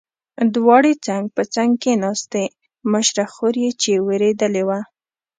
دواړې څنګ په څنګ کېناستې، مشره خور یې چې وېرېدلې وه.